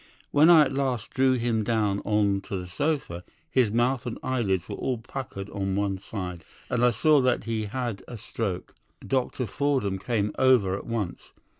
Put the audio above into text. When I at last drew him down on to the sofa, his mouth and eyelids were all puckered on one side, and I saw that he had a stroke. Dr. Fordham came over at once.